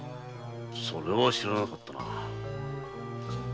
それは知らなかったな。